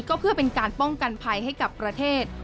ก็เพื่อเป็นการป้องกันภัยให้กับประเทศ